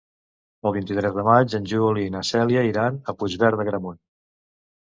El vint-i-tres de maig en Juli i na Cèlia iran a Puigverd d'Agramunt.